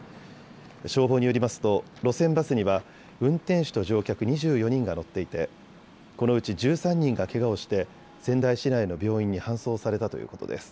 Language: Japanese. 消防によりますと路線バスには運転手と乗客２４人が乗っていてこのうち１３人がけがをして仙台市内の病院に搬送されたということです。